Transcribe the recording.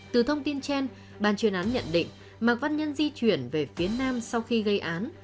từ thông tin trên bàn chuyên án nhận định mạc văn nhân di chuyển về phía nam sau khi gây án